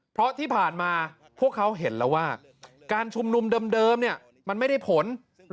เพราะที่ผ่านมาพวกเขาเห็นแล้วว่าการชุมนุมเดิมมันไม่ได้ผล